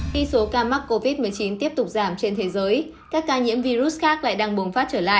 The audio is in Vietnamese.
khi số ca mắc covid một mươi chín tiếp tục giảm trên thế giới các ca nhiễm virus khác lại đang bùng phát trở lại